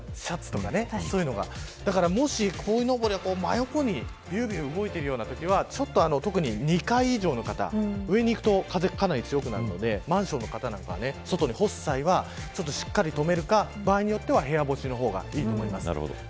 もし、こいのぼりが真横に動いているようなときは２階以上の方、上に行くと風がかなり強くなるのでマンションの方なんかは、外に干す際は、しっかり留めるか場合によっては部屋干しの方がいいと思います。